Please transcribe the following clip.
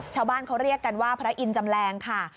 ชาวบ้านเขาเรียกกันว่าพระอินทร์จำแรงค่ะ